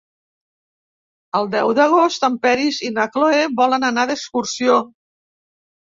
El deu d'agost en Peris i na Cloè volen anar d'excursió.